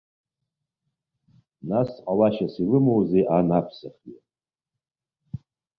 Нас, ҟалашьас илымоузеи ан аԥсахҩы?!